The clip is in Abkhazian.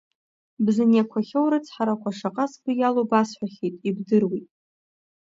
Бзыниақәахьоу арыцҳарақәа шаҟа сгәы иалоу басҳәахьеит, ибдыруеит.